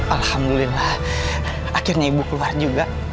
alhamdulillah akhirnya ibu keluar juga